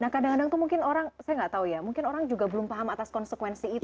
nah kadang kadang tuh mungkin orang saya nggak tahu ya mungkin orang juga belum paham atas konsekuensi itu